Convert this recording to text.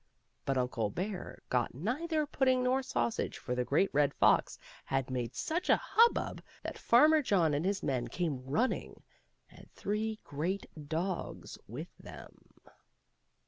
But Uncle Bear got neither pudding nor sausage, for the Great Red Fox had made such a hubbub that Farmer John and his men came running, and three great dogs with them.